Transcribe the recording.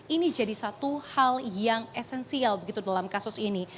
ini jadi satu hal yang esensial begitu dalam kasus ini